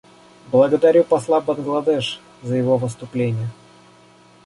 Благодарю посла Бангладеш за его выступление.